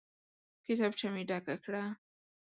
کتابچه مې ډکه کړه.